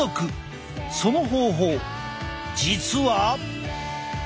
その方法実は。